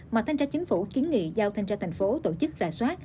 mà thanh tra chính phủ kiến nghị giao thanh tra thành phố tổ chức rà soát